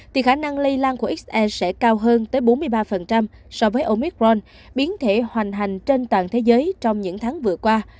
thì khả năng lây lan của se sẽ cao hơn tới bốn mươi ba so với omicron biến thể hoành hành trên toàn thế giới trong những tháng vừa qua